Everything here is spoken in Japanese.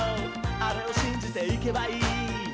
あれをしんじていけばいい」